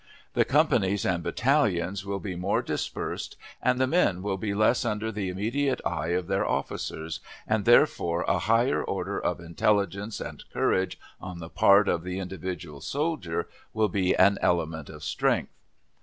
The companies and battalions will be more dispersed, and the men will be less under the immediate eye of their officers, and therefore a higher order of intelligence and courage on the part of the individual soldier will be an element of strength.